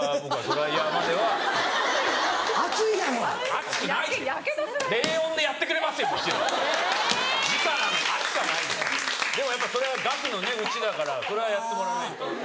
熱くはないでもやっぱそれは額のうちだからそれはやってもらわないと。